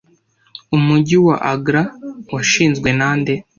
Umujyi wa Agra washinzwe nande